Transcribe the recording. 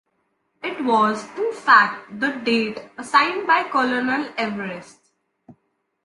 It was, in fact, the date assigned by Colonel Everest.